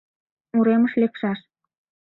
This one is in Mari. Уремыш лекшаш.